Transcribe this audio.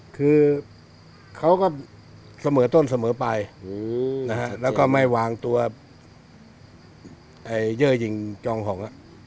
คือเขาก็เสมอต้นเสมอไปนะฮะแล้วก็ไม่วางตัวเยื่อยิงจองห่อง